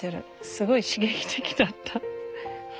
すごい刺激的だった。